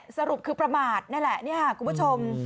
นี่แหละสรุปคือประมาทนี่แหละคุณผู้ชม